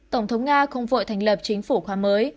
tổng thống nga không vội thành lập chính phủ khóa mới